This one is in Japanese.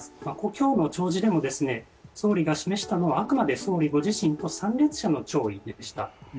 今日の弔辞でも、総理が示したのはあくまでも総理ご自身と参列者でした。